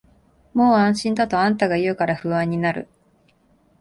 もう安心だとあんたが言うから不安になる